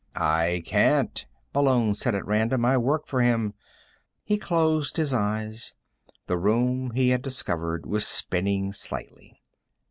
"I can't," Malone said at random. "I work for him." He closed his eyes. The room, he had discovered, was spinning slightly.